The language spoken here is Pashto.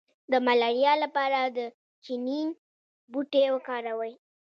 د ملاریا لپاره د کینین بوټی وکاروئ